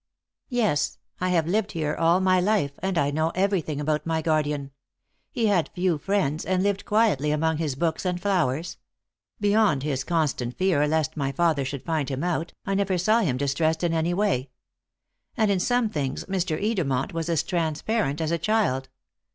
"Yes; I have lived here all my life, and I know everything about my guardian. He had few friends, and lived quietly among his books and flowers. Beyond his constant fear lest my father should find him out, I never saw him distressed in any way. And in some things Mr. Edermont was as transparent as a child.